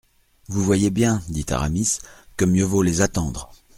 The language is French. Vous voyez bien, dit Aramis, que mieux vaut les attendre.